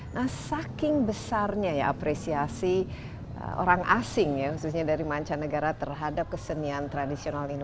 nah saking besarnya ya apresiasi orang asing ya khususnya dari mancanegara terhadap kesenian tradisional ini